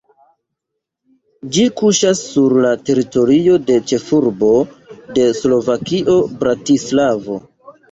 Ĝi kuŝas sur la teritorio de ĉefurbo de Slovakio Bratislavo.